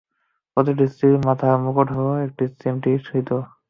প্রতিটি স্ত্রীর মাথার মুকুট হলো, এক চিমটি সিদুর।